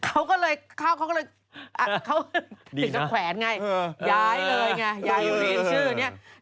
เขาก็เลยเขาติดกับแขวนไงย้ายเลยไงย้ายอยู่ในชื่อนี้